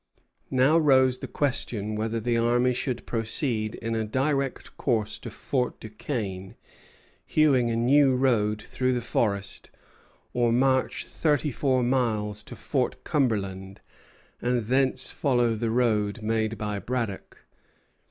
Now rose the question whether the army should proceed in a direct course to Fort Duquesne, hewing a new road through the forest, or march thirty four miles to Fort Cumberland, and thence follow the road made by Braddock.